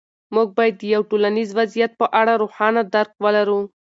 موږ باید د یو ټولنیز وضعیت په اړه روښانه درک ولرو.